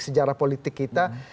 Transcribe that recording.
sejarah politik kita